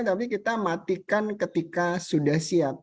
tapi kita matikan ketika sudah siap